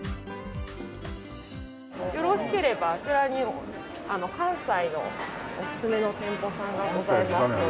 よろしければあちらに関西のおすすめの店舗さんがございますので。